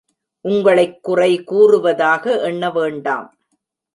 உங்களைக் குறை கூறுவதாக எண்ணவேண்டாம்.